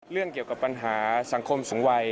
เรื่องเกี่ยวกับปัญหาสังคมสูงวัย